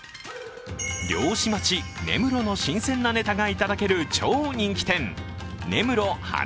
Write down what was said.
漁師町・根室の新鮮なネタがいただける超人気店、根室花